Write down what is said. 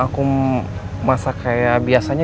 aku masak kayak biasanya